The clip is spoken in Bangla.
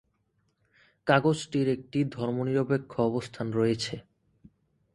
কাগজটির একটি ধর্মনিরপেক্ষ অবস্থান রয়েছে।